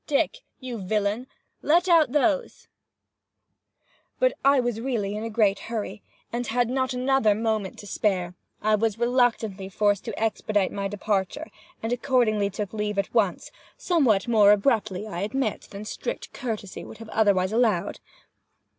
—Dick, you villain!—let out those"—but as I was really in a great hurry, and had not another moment to spare, I was reluctantly forced to expedite my departure, and accordingly took leave at once—somewhat more abruptly, I admit, than strict courtesy would have otherwise allowed.